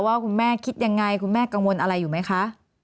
ว่าคุณแม่คิดยังไงคุณแม่กังวลอะไรอยู่ไหมคะ